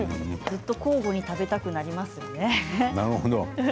ずっと交互に食べたくなりますよね。